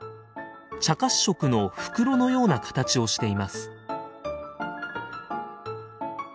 茶褐色の袋のような形をしています。